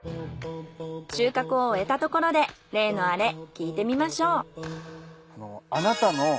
収穫を終えたところで例のアレ聞いてみましょう。